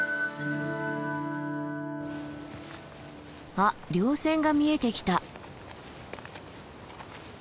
あっ稜線が見えてきた。